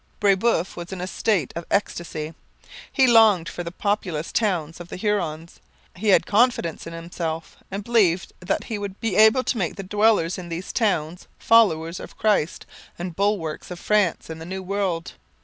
Brebeuf was in a state of ecstasy. He longed for the populous towns of the Hurons. He had confidence in himself and believed that he would be able to make the dwellers in these towns followers of Christ and bulwarks of France in the New World.